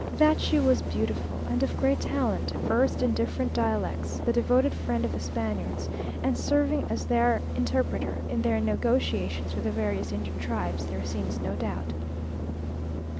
That she was beautiful and of great talent, versed in different dialects, the devoted friend of the Spaniards, and serving as their interpreter in their negotiations with the various Indian tribes, there seems no doubt.